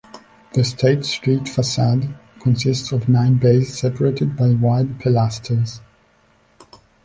The State Street facade consists of nine bays separated by wide pilasters.